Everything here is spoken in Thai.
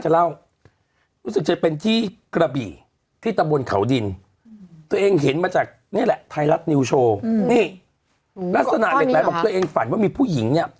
ลักษณะเหล็กไหลบอกตัวเองฝันว่ามีผู้หญิง